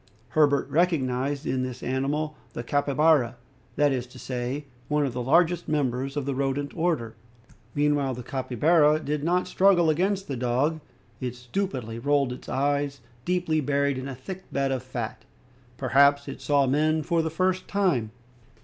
Herbert recognized in this animal the capybara, that is to say, one of the largest members of the rodent order. Meanwhile, the capybara did not struggle against the dog. It stupidly rolled its eyes, deeply buried in a thick bed of fat. Perhaps it saw men for the first time.